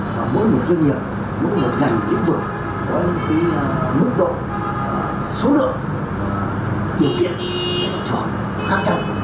mỗi một doanh nghiệp mỗi một ngành nghĩa vực có mức độ số lượng điều kiện thưởng khác nhau